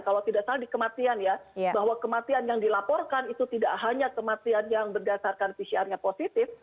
bahwa kematian yang dilaporkan itu tidak hanya kematian yang berdasarkan pcr nya positif